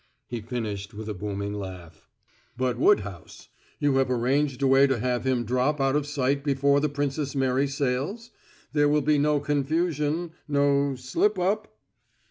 He finished with a booming laugh. "But Woodhouse; you have arranged a way to have him drop out of sight before the Princess Mary sails? There will be no confusion no slip up?"